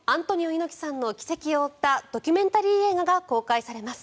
猪木さんの軌跡を追ったドキュメンタリー映画が公開されます。